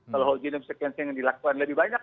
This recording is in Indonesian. kalau whole genome sequencing yang dilakukan lebih banyak